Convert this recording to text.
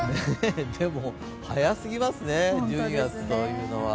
でも、早すぎますね、１２月というのは。